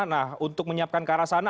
nah untuk menyiapkan ke arah sana